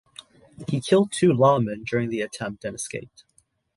He killed two lawmen during the attempt and escaped.